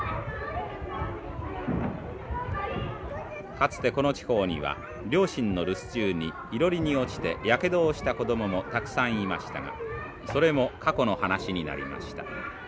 かつてこの地方には両親の留守中にいろりに落ちてやけどをした子供もたくさんいましたがそれも過去の話になりました。